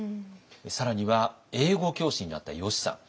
更には英語教師になったよしさん。